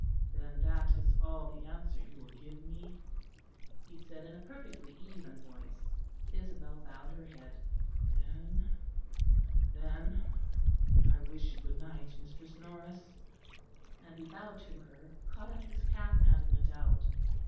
"Then that is all the answer you will give me?" he said, in a perfectly even voice. Isabel bowed her head. "Then then I wish you good night, Mistress Norris," and he bowed to her, caught up his cap and went out.